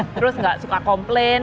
terus tidak suka komplain